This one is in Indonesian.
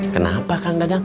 kenapa kang dadang